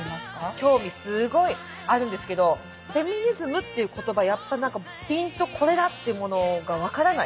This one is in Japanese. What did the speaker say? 興味すごいあるんですけどフェミニズムっていう言葉やっぱ何かピンとこれだっていうものが分からない。